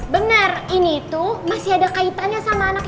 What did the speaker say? bener ini tuh masih ada kaitannya sama anak ips